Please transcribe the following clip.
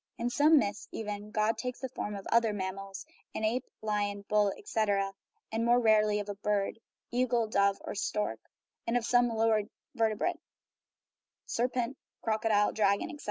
In some myths, even, God takes the form of other mammals (an ape, lion, bull, etc.), and more rarely of a bird (eagle, dove, or stork), or of some lower vertebrate (serpent, crocodile, dragon, etc.).